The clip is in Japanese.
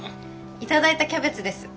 頂いたキャベツです。